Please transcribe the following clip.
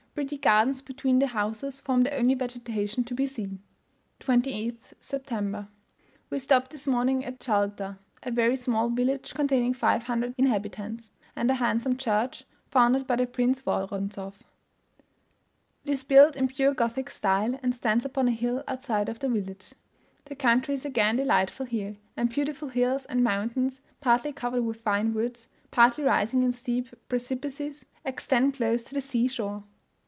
Pretty gardens between the houses form the only vegetation to be seen. 28th September. We stopped this morning at Jalta, a very small village, containing 500 inhabitants, and a handsome church founded by the Prince Woronzoff. It is built in pure Gothic style, and stands upon a hill outside of the village. The country is again delightful here, and beautiful hills and mountains, partly covered with fine woods, partly rising in steep precipices, extend close to the sea shore.